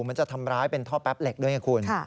เหมือนจะทำร้ายเป็นท่อแป๊บเหล็กด้วยไงคุณ